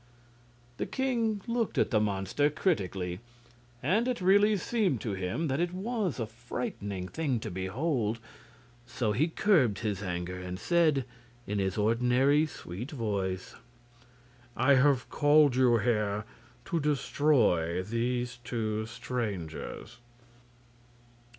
The king looked at the monster critically, and it really seemed to him that it was a frightful thing to behold. So he curbed his anger and said, in his ordinary sweet voice: "I have called you here to destroy these two strangers."